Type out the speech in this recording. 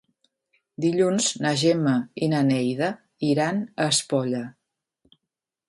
Dilluns na Gemma i na Neida iran a Espolla.